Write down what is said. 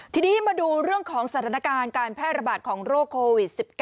ทีนี้มาดูเรื่องของสถานการณ์การแพร่ระบาดของโรคโควิด๑๙